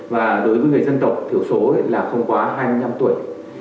và đối với người dân tộc thiểu số là không quá hai mươi năm tuổi